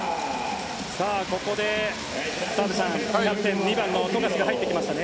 ここで澤部さんキャプテン２番の富樫が入ってきましたね。